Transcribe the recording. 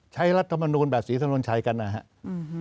ใช้รัฐธรรมนุนแบบสีสนุนชัยกันนะครับ